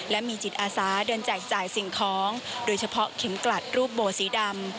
และมีจิตอาสาเดินแจกจ่ายสิ่งของโดยเฉพาะเข็มกลัดรูปโบสีดำ